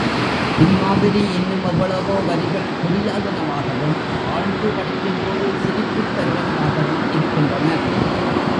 இம்மாதிரி இன்னும் எவ்வளவோ வரிகள் புரியாதனவாகவும், ஆழ்ந்து படிக்கும்போது, சிரிப்புத் தருவனவாகவும் இருக்கின்றன.